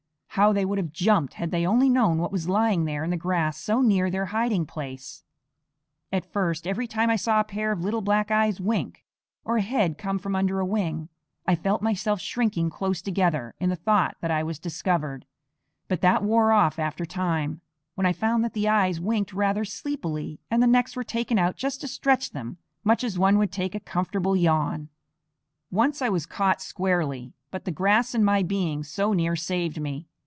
How they would have jumped had they only known what was lying there in the grass so near their hiding place! At first, every time I saw a pair of little black eyes wink, or a head come from under a wing, I felt myself shrinking close together in the thought that I was discovered; but that wore off after a time, when I found that the eyes winked rather sleepily, and the necks were taken out just to stretch them, much as one would take a comfortable yawn. Once I was caught squarely, but the grass and my being so near saved me.